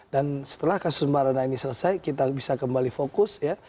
dan setelah kasus mbak ratna ini selesai kita bisa kembali fokus ya